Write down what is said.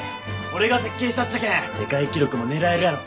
俺が設計したっちゃけん世界記録も狙えるやろ。